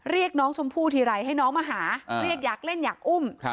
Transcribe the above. เรียกน้องชมพู่ทีไรให้น้องมาหาเรียกอยากเล่นอยากอุ้ม